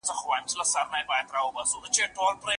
تاسو باید د ټولنیزو بنسټونو د پیاوړتیا لپاره کار وکړئ.